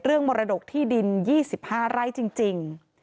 เรื่องมรดกที่ดิน๒๕ไร้จริง